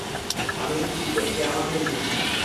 আমি নিশ্চিত সে আমাকেই খুঁজছে।